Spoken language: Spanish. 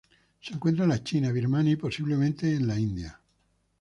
Se encuentra en la China, Birmania y, posiblemente, en la India.